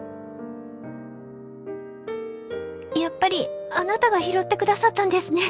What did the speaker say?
「やっぱりあなたが拾ってくださったんですね」。